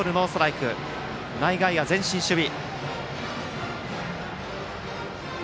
内外野、前進守備。